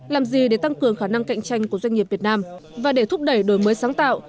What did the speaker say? làm gì để tăng cường khả năng cạnh tranh của doanh nghiệp việt nam và để thúc đẩy đổi mới sáng tạo